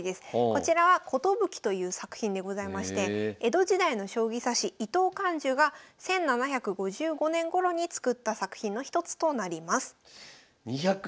こちらは「寿」という作品でございまして江戸時代の将棋指し伊藤看寿が１７５５年ごろに作った作品の一つとなります。